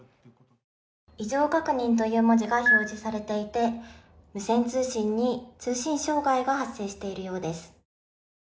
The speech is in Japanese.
異常確認という文字が表示されていて無線通信に通信障害が発生しているようです。